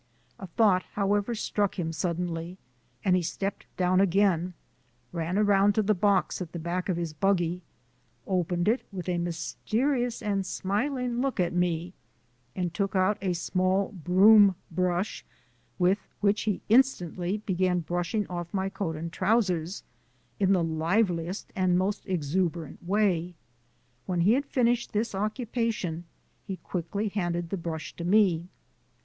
A thought, however, struck him suddenly, and he stepped down again, ran around to the box at the back of his buggy, opened it with a mysterious and smiling look at me, and took out a small broom brush with which he instantly began brushing off my coat and trousers in the liveliest and most exuberant way. When he had finished this occupation, he quickly handed the brush to me.